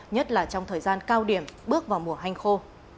nhất là trong thời gian cao điểm bước vào mùa hanh khô